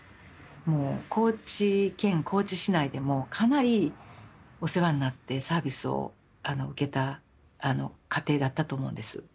もう高知県高知市内でもかなりお世話になってサービスを受けた家庭だったと思うんです。